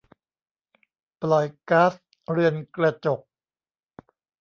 ปล่อยก๊าซเรือนกระจก